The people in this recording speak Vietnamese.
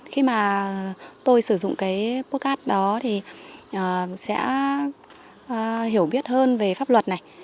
khi mà tôi sử dụng cái pocat đó thì sẽ hiểu biết hơn về pháp luật này